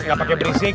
gak pake berisik